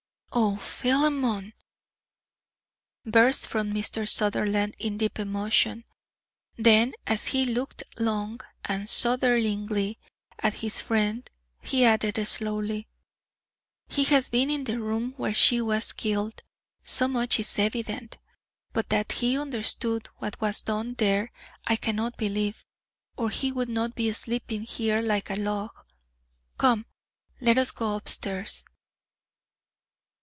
"Oh, Philemon!" burst from Mr. Sutherland, in deep emotion. Then, as he looked long and shudderingly at his friend, he added slowly: "He has been in the room where she was killed; so much is evident. But that he understood what was done there I cannot believe, or he would not be sleeping here like a log. Come, let us go up stairs."